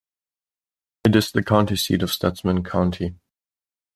It is the county seat of Stutsman County.